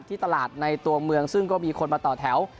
ที่ตลาดในตัวเมืองซึ่งก็มีคนมาต่อแถว